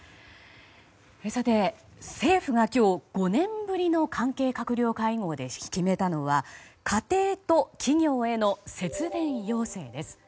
さて、政府が今日、５年ぶりの関係閣僚会合で決めたのは家庭と企業への節電要請です。